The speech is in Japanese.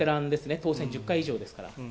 当選１０回以上ですから。